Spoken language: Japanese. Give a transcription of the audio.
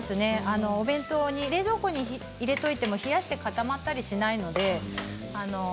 お弁当に、冷蔵庫に入れておいても冷やして固まったりしないので。